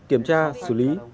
kiểm tra xử lý